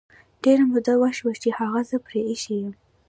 ډیري مودې وشوی چې هغه زه پری ایښي یمه